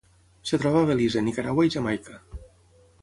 Es troba a Belize, Nicaragua i Jamaica.